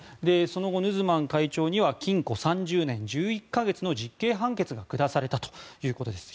その後、ヌズマン会長には禁錮３０年１１か月の実刑判決が下されたということです。